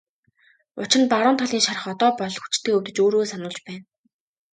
Учир нь баруун талын шарх одоо болтол хүчтэй өвдөж өөрийгөө сануулж байна.